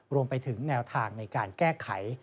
รวมไปถึงแนวทางในการแก้ไข